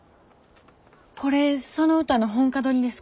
これその歌の本歌取りですか？